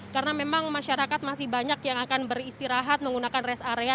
karena memang masyarakat masih banyak yang akan beristirahat menggunakan rest area